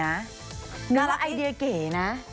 น่ารักนึกว่าไอเดียเก๋นะ